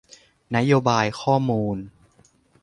นโยบายข้อมูล